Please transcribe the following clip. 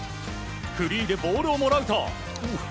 フリーでボールをもらうと。